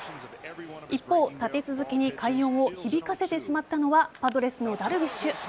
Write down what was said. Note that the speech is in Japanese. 一方、立て続けに快音を響かせてしまったのはパドレスのダルビッシュ。